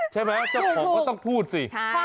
ใช่ไหมจับผมก็ต้องพูดสิ